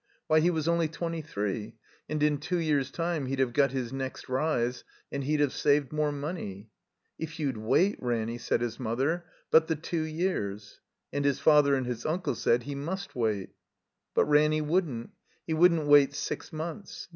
Why, he was only twenty three, and in two years' time he'd have got his next rise, and he'd have saved more money. *'If you'd wait, Ranny," said his mother, but the two years." And his father and his unde said he must wait. But Ranny wouldn't. He wouldn't wait six months.